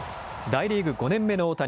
大リーグ５年目の大谷。